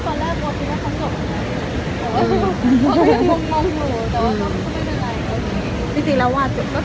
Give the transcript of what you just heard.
ก็เอาเจออะไรที่มันปากหมาชัย